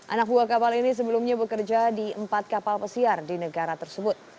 anak buah kapal ini sebelumnya bekerja di empat kapal pesiar di negara tersebut